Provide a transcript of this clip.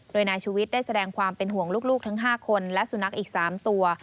โดยนายชุวิตได้แสดงความเป็นห่วงลูกทั้ง๕คนและสุนัขอีก๓ตัว